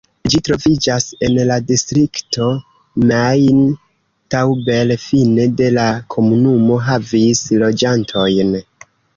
Ĝi troviĝas en la distrikto Main-Tauber Fine de la komunumo havis loĝantojn.